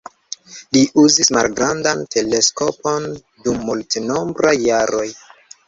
Li uzis malgrandan teleskopon dum multenombraj jaroj.